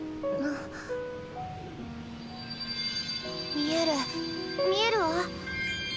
見える見えるわ。